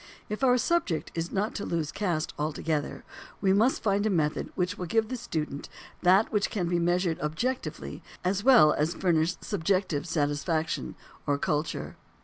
If our subject is not to lose caste altogether we must find a method which will give the student that which can be measured objectively, as well as furnish subjective satisfaction or culture.